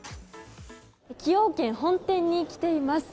崎陽軒本店に来ています。